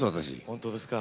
本当ですか？